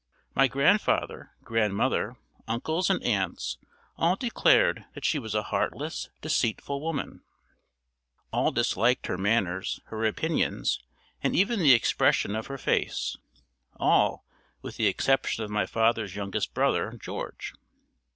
My grandfather, grandmother, uncles, and aunts all declared that she was a heartless, deceitful woman; all disliked her manners, her opinions, and even the expression of her face all, with the exception of my father's youngest brother, George.